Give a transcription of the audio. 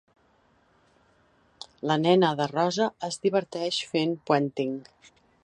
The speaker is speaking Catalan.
La nena de rosa es diverteix fent puenting.